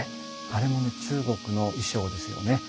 あれも中国の衣装ですよね。